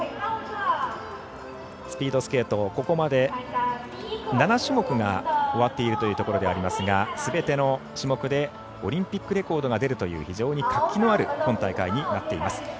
スピードスケート、ここまで７種目が終わっているというところでありますがすべての種目でオリンピックレコードが出るという非常に活気のある今大会になっています。